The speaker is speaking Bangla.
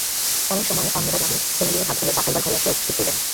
এমন সময়ে অন্নদাবাবু হেমনলিনীর হাত ধরিয়া চা খাইবার ঘরে আসিয়া উপস্থিত হইলেন।